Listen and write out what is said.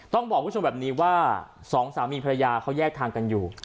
ต้องบอกคุณผู้ชมแบบนี้ว่าสองสามีภรรยาเขาแยกทางกันอยู่